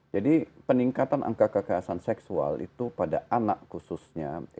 jadi peningkatan angka kekerasan seksual itu pada anak itu meningkat pesat